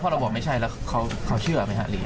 เราบอกไม่ใช่แล้วเขาเชื่อไหมฮะลี